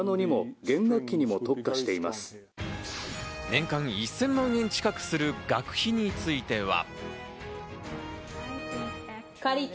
年間１０００万円近くする学費については。